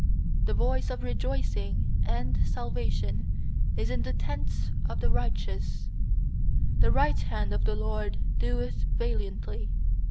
15The voice of rejoicing and salvation is in the tents of the righteous; The right hand of the LORD doeth valiantly.